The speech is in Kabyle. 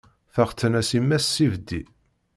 Texten-as imma-s s ibeddi.